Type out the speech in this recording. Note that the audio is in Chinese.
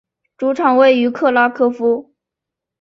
主场位于克拉科夫。